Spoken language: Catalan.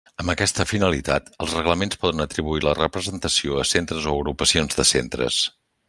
Amb aquesta finalitat, els reglaments poden atribuir la representació a centres o agrupacions de centres.